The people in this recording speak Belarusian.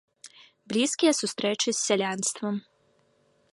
Блізкія сустрэчы з сялянствам.